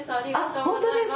本当ですか？